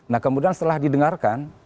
nah kemudian setelah didengarkan